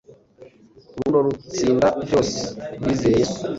Urukundo rutsinda byose kubizeye yesu